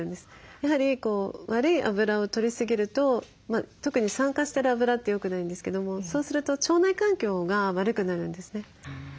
やはり悪い油をとりすぎると特に酸化してる油ってよくないんですけどもそうすると腸内環境が悪くなるんですね。